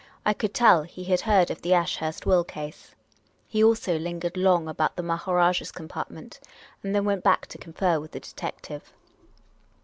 I could tell he had heard of the Ashurst will case. He also lingered long about the Maharajah's com partment, and then went back to confer with the detective.